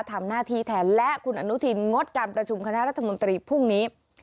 ทำหน้าที่แทนและคุณอนุทินงดการประชุมคณะรัฐมนตรีพรุ่งนี้